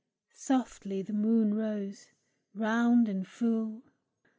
Softly the moon rose, round and full.